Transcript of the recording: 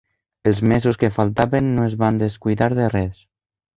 Els mesos que faltaven no es van descuidar de res